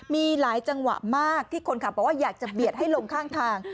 มีหลายจังหวะมากที่คนขับบอกว่าอยากจะเบียดให้ลงข้างทาง